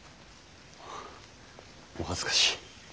お恥ずかしい。